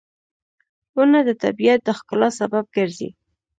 • ونه د طبیعت د ښکلا سبب ګرځي.